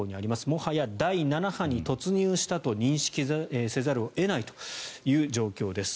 もはや第７波に突入したと認識せざるを得ないという状況です。